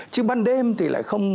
chứ ban đêm thì lại không